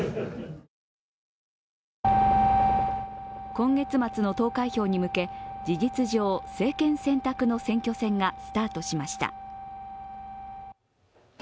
今月末の投開票に向け事実上、政権選択の選挙戦がスタートしました。